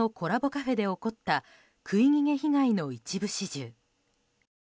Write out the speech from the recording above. カフェで起こった食い逃げ被害の一部始終。